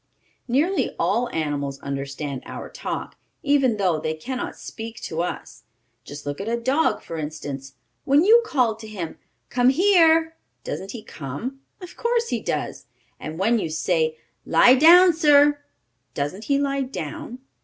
Nearly all animals understand our talk, even though they can not speak to us. Just look at a dog, for instance. When you call to him: "Come here!" doesn't he come? Of course he does. And when you say: "Lie down, sir!" doesn't he lie down?